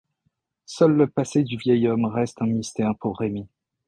Seul le passé du vieil homme reste un mystère pour Rémi.